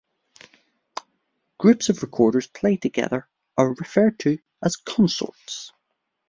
Groups of recorders played together are referred to as consorts.